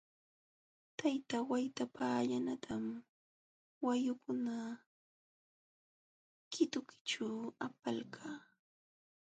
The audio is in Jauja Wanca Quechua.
Tayta Waytapallanatam wayukunata kutichiyćhu apalqaa.